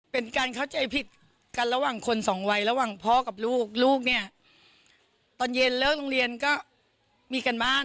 เขียนช้ามีพัฒนาการช้าเพราะเขาจะหลอกใช้เวลานาน